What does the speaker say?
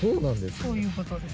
そういう事です。